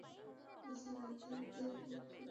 এ ছাড়াও তার দেহ অক্ষত রয়েছে।